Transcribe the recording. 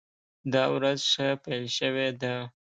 دا ورځ ښه پیل شوې ده.